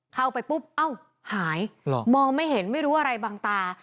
เข้าไปปุ๊บเอ้าหายมองไม่เห็นไม่รู้อะไรบางตา